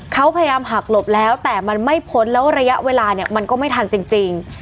เขาพยายามหักหลบแล้วแต่มันไม่พ้นแล้วระยะเวลาเนี่ยมันก็ไม่ทันจริง